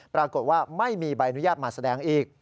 ปรากฏว่าไม่มีใบอนุญาตมาแสดงอีก